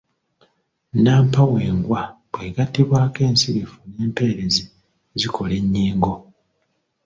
Nnampawengwa bw’egattibwako ensirifu n’empeerezi zikola ennyingo.